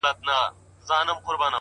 څومره له حباب سره ياري کوي،